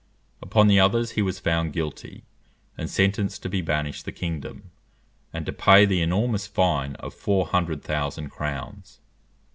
Upon the others he was found guilty, and sentenced to be banished the kingdom, and to pay the enormous fine of four hundred thousand crowns.